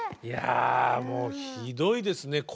いやもうひどいですね